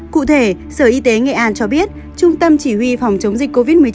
cụ thể sở y tế nghệ an cho biết trung tâm chỉ huy phòng chống dịch covid một mươi chín